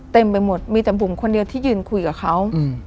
เต็มไปหมดมีแต่บุ๋มคนเดียวที่ยืนคุยกับเขา